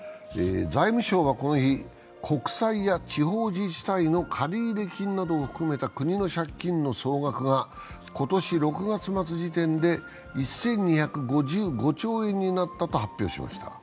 財務省はこの日、国債や地方自治体の借入金などを含めた国の借金の総額が今年６月末時点で１２５５兆円になったと発表しました。